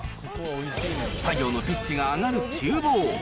作業のピッチが上がるちゅう房。